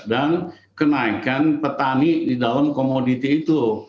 dan kenaikan petani di dalam komoditi itu